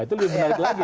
itu lebih menarik lagi